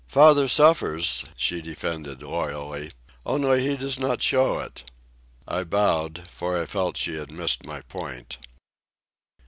"Father suffers!" she defended loyally. "Only he does not show it." I bowed, for I felt she had missed my point.